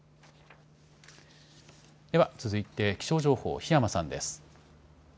では続いて、気象情報、檜山さんです。